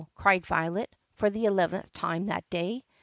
cried Violet for the eleventh time that day.